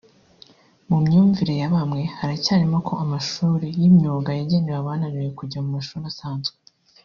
“mu myumvire ya bamwe haracyarimo ko amashuri y’imyuga yagenewe abananiwe kujya mu mashuri asanzwe